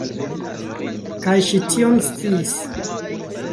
Kaj ŝi tion sciis.